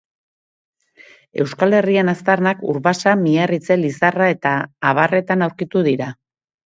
Euskal Herrian aztarnak Urbasa, Miarritze, Lizarra, eta abarretan aurkitu dira.